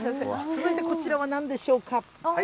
続いてこちらはなんでしょうか。